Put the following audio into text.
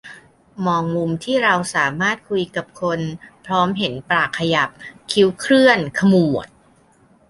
มองมุมที่เราสามารถคุยกับคนพร้อมเห็นปากขยับ คิ้วเคลื่อนขมวด